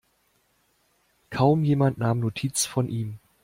Kaum jemand nahm Notiz von ihm.